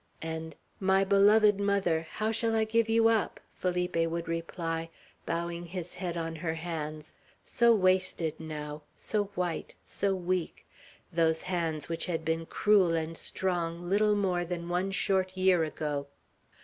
And, "My beloved mother! How shall I give you up?" Felipe would reply, bowing his head on her hands, so wasted now, so white, so weak; those hands which had been cruel and strong little more than one short year ago.